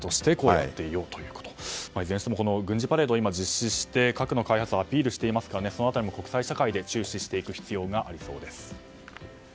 いずれにしても軍事パレードを実施して核の開発をアピールしていますからその辺りも国際社会で注視していく必要がありそうです。